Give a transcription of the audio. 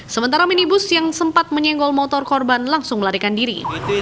sementara minibus yang sempat menyenggol motor korban langsung melarikan diri